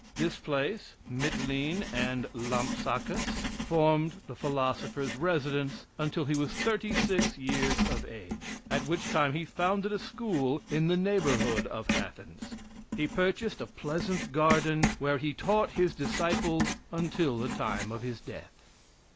This place, Mitylene, and Lampsacus, formed the philosopher's residence until he was thirty six years of age; at which time he founded a school in the neighborhood of Athens. He purchased a pleasant garden, where he taught his disciples until the time of his death.